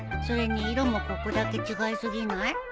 それに色もここだけ違い過ぎない？